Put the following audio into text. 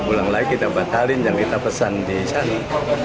bulan lagi kita batalin jangan kita pesan di sana